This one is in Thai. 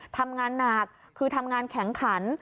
ทำงานหนักคือทำงานแข็งขัน